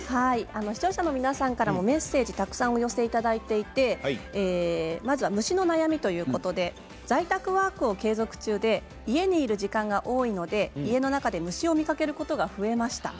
視聴者の皆さんからもメッセージをたくさんお寄せいただいてまずは虫のお悩みということで在宅ワークを継続中で家にいる時間が多いので家の中で虫を見かけることが増えました。